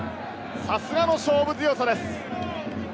さすがの勝負強さです。